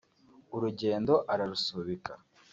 urugendo ararusubika